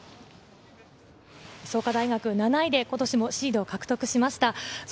創価大学７位で今年もシードを獲得しました。